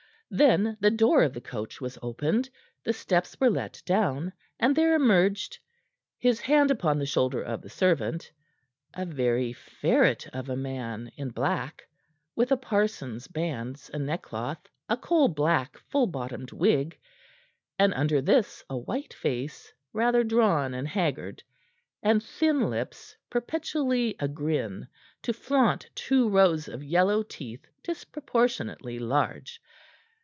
Then the door of the coach was opened, the steps were let down, and there emerged his hand upon the shoulder of the servant a very ferret of a man in black, with a parson's bands and neckcloth, a coal black full bottomed wig, and under this a white face, rather drawn and haggard, and thin lips perpetually agrin to flaunt two rows of yellow teeth disproportionately large.